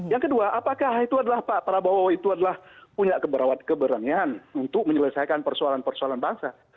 yang kedua apakah itu adalah pak prabowo itu adalah punya keberanian untuk menyelesaikan persoalan persoalan bangsa